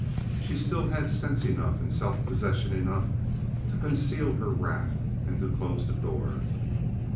She still had sense enough and self possession enough to conceal her wrath and to close the door.